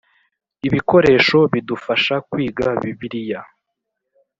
Ibikoresho bidufasha kwiga Bibiliya